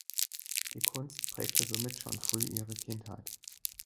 Die Kunst prägte somit schon früh ihre Kindheit.